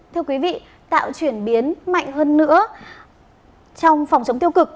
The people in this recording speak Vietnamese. thưa quý vị tạo chuyển biến mạnh hơn nữa trong phòng chống tiêu cực